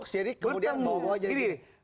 kita bikin tim pencari fakta